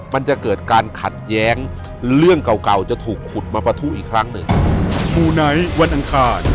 มันจะเกิดการขัดแย้งเรื่องเก่าจะถูกขุดมาประทู้อีกครั้งหนึ่ง